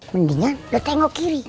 mendingan lo tengok kiri